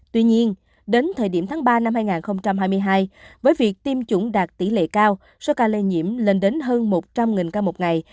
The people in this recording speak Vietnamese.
tuy nhiên đến thời điểm tháng ba năm hai nghìn hai mươi hai với việc tiêm chủng đạt tỷ lệ cao số ca lây nhiễm lên đến hơn một trăm linh ca một ngày